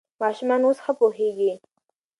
ماشومان اوس ښه پوهېږي.